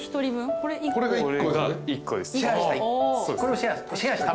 これが１個です。